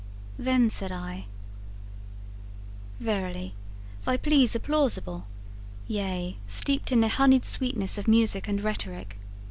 Then said I: 'Verily, thy pleas are plausible yea, steeped in the honeyed sweetness of music and rhetoric.